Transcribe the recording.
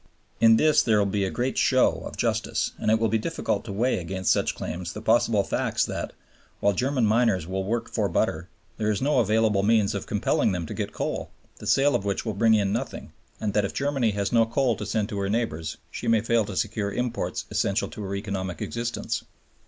In this there will be a great show of justice, and it will be difficult to weigh against such claims the possible facts that, while German miners will work for butter, there is no available means of compelling them to get coal, the sale of which will bring in nothing, and that if Germany has no coal to send to her neighbors she may fail to secure imports essential to her economic existence.